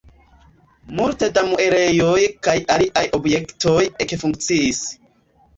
Multe da muelejoj kaj aliaj objektoj ekfunkciis.